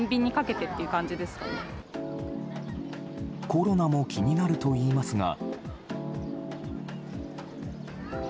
コロナも気になるといいますが。